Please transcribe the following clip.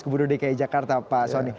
gubernur dki jakarta pak soni